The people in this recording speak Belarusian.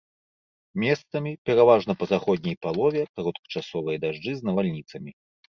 Месцамі, пераважна па заходняй палове кароткачасовыя дажджы з навальніцамі.